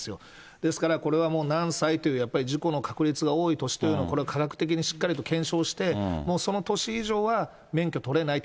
ですからこれは何歳という、事故の確率が多い年っていうのも、これ科学的にしっかりと検証して、もうその年以上は免許取れないと。